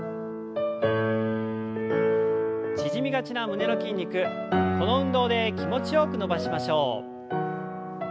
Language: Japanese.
縮みがちな胸の筋肉この運動で気持ちよく伸ばしましょう。